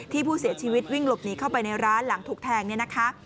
ที่ผู้เสียชีวิตวิ่งหลบหนีเข้าไปในร้านหลังถูกแทงเนี่ยนะคะ